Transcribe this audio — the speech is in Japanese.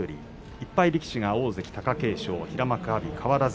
１敗力士が大関貴景勝平幕阿炎、変わらず。